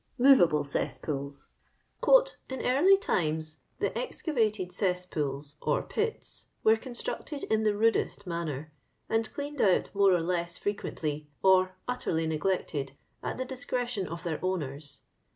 Movable cesspools. *• In early times the excavated cesspooh or pits were constructed in the rudest manner, and cleaned out more or less frequently, or utterly neglected, at the discretion of their owners.